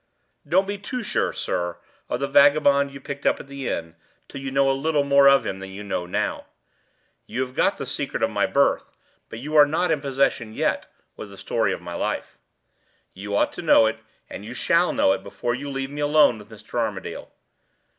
"Don't be too sure, sir, of the vagabond you picked up at the inn till you know a little more of him than you know now. You have got the secret of my birth, but you are not in possession yet of the story of my life. You ought to know it, and you shall know it, before you leave me alone with Mr. Armadale.